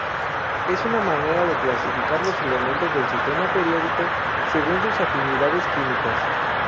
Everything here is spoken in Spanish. Es una manera de clasificar los elementos del sistema periódico según sus afinidades químicas.